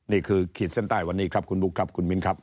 ขีดเส้นใต้วันนี้ครับคุณบุ๊คครับคุณมิ้นครับ